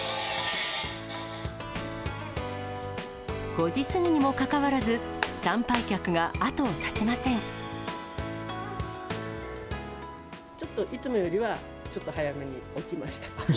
５時過ぎにもかかわらず、ちょっといつもよりは、ちょっと早めに起きました。